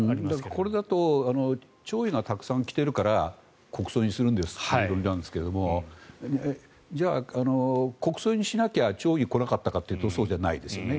これだと弔意がたくさん来ているから国葬にするんですということですがじゃあ、国葬にしなきゃ弔意来なかったかというとそうじゃないですよね。